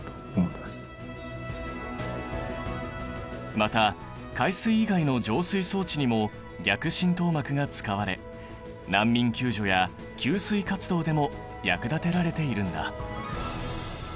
また海水以外の浄水装置にも逆浸透膜が使われ難民救助や給水活動でも役立てられているんだ。